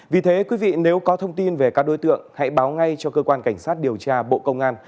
vì thế quý vị nếu có thông tin về các đối tượng hãy báo ngay cho cơ quan cảnh sát điều tra bộ công an